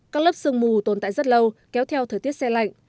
các lớp sương mù tồn tại rất lâu kéo theo thời tiết xe lạnh